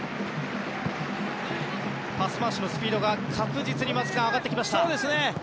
パス回しのスピードが確実に上がってきました。